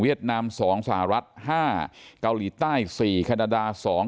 เวียดนามสองสหรัฐห้าเกาหลีใต้สี่แคนดาสอง